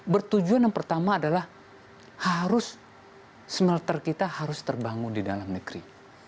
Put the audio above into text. bertujuan yang pertama adalah harus smelter kita harus terbangun di dalam negeri